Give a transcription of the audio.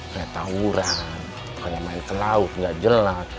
kayak tauran kayak main ke lauk nggak jelak